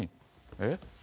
えっ？